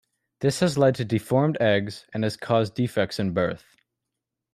This has led to deformed eggs, and has caused defects in birth.